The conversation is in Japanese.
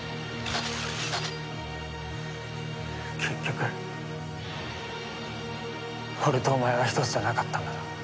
結局俺とお前は一つじゃなかったんだな。